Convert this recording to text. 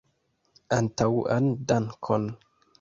Antaŭan dankon!